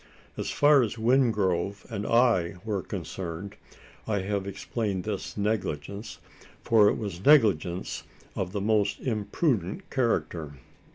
As far as Wingrove and I were concerned, I have explained this negligence, for it was negligence of the most imprudent character.